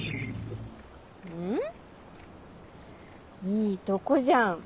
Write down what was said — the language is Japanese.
いいとこじゃん